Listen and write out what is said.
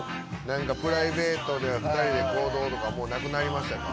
何かプライベートでは２人で行動とかはなくなりましたか？